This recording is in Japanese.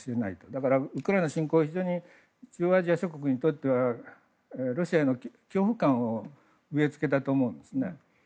だからウクライナ侵攻は非常に中央アジア諸国にとってはロシアの恐怖感を植え付けたと思うんですね。